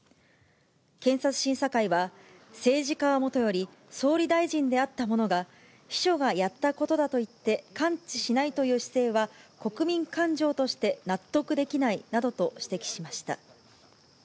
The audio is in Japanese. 検察審査会は、政治家はもとより、総理大臣であった者が、秘書がやったことだと言って、関知しないという姿勢は、国民感情として納得できないなどと指摘しました。